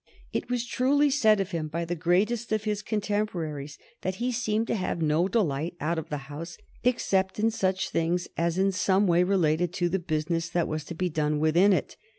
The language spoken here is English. It was truly said of him by the greatest of his contemporaries that he seemed to have no delight out of the House except in such things as in some way related to the business that was to be done within it.